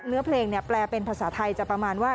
เนื้อเพลงแปลเป็นภาษาไทยจะประมาณว่า